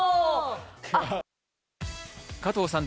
加藤さん。